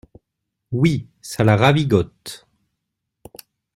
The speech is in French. Oui, ça la ravigote.